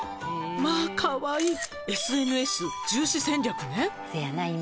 「まあカワイイＳＮＳ重視戦略ね」